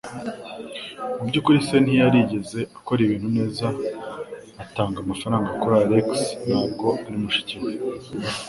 Mubyukuri, ise ntiyari yarigeze akora ibintu neza atanga amafaranga kuri Alex ntabwo ari mushiki we.